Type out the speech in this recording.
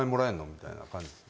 みたいな感じです。